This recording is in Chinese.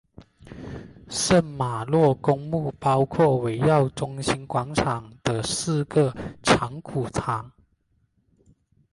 圣玛洛公墓包括围绕中心广场的四个藏骨堂。